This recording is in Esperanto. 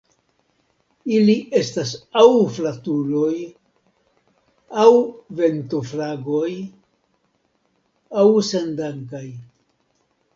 Ili estas aŭ flatuloj, aŭ ventoflagoj, aŭ sendankaj.